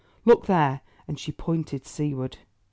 Look there," and she pointed seaward.